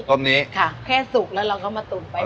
ต้มนี้ค่ะแค่สุกแล้วเราก็มาตุ๋นไป